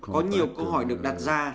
có nhiều câu hỏi được đặt ra